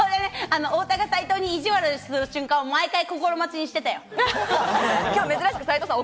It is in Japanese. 太田が斉藤に意地悪するところ、心待ちにしてたよ。